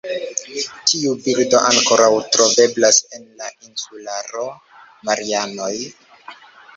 Tiu birdo ankoraŭ troveblas en la insularo Marianoj.